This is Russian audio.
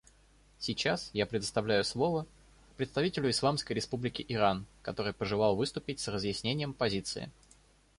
Сейчас я предоставляю слово представителю Исламской Республики Иран, который пожелал выступить с разъяснением позиции.